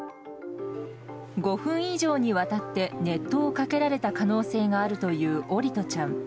５分以上にわたって熱湯をかけられた可能性があるという桜利斗ちゃん。